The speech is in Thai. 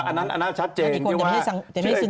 อันนั้นชัดเจนเพราะที่เมื่อมีออกจากวงการคือใคร